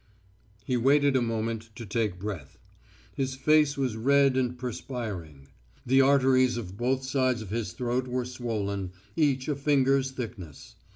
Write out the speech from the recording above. He waited a moment to take breath. His face was red and perspiring. The arteries on both sides of his throat were swollen, each a finger's thickness.